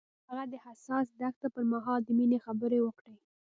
هغه د حساس دښته پر مهال د مینې خبرې وکړې.